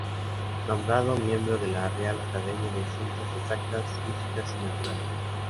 Nombrado miembro de la Real Academia de Ciencias Exactas, Físicas y Naturales.